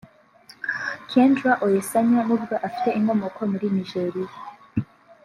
Kendra Oyesanya nubwo afite inkomoko muri Nigeria